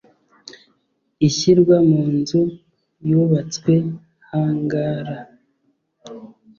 ishyirwa mu nzu yubatswe hangara